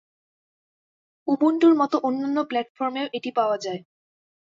উবুন্টুর মতো অন্যান্য প্ল্যাটফর্মেও এটি পাওয়া যায়।